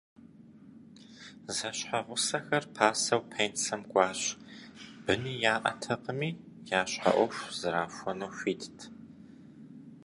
Зэщхьэгъусэхэр пасэу пенсэм кӏуащ, быни яӏэтэкъыми, я щхьэ ӏуэху зэрахуэну хуитт.